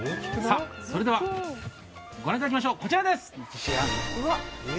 それではご覧いただきましょう、こちらです。